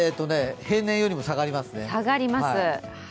平年よりも下がりますね。